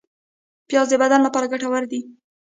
پیاز د بدن لپاره ګټور دی